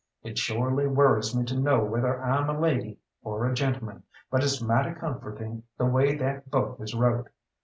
It shorely worries me to know whether I'm a lady or a gentleman, but it's mighty comfortin' the way that book is wrote.